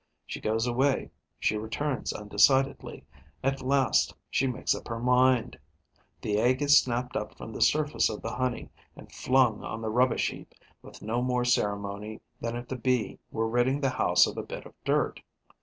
She goes away, she returns undecidedly; at last she makes up her mind. The egg is snapped up from the surface of the honey and flung on the rubbish heap with no more ceremony than if the Bee were ridding the house of a bit of dirt.